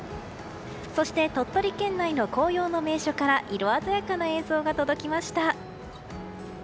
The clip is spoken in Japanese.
そして鳥取県内の紅葉の名所から色鮮やかな映像が届きました。